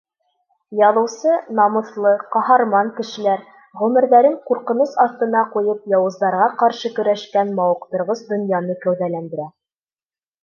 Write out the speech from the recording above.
Яҙыусы намыҫлы, ҡаһарман кешеләр, ғүмерҙәрен ҡурҡыныс аҫтына ҡуйып, яуыздарға ҡаршы көрәшкән мауыҡтырғыс донъяны кәүҙәләндерә.